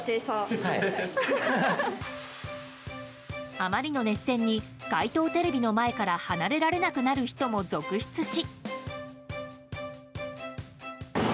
あまりの熱戦に街頭テレビの前から離れられなくなる人も続出し。